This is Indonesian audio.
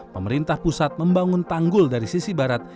pemerintah pusat membangun tanggul dari sisi barat